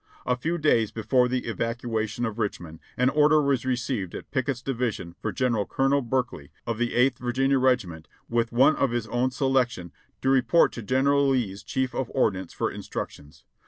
A few days before the evacuation of Richmond an order was received at Pickett's division for Lieutenant Colonel Berkeley, of the Eighth Virginia Regiment, with one of his own selection, to report to Gen eral Lee's Chief of Ordnance for instructions.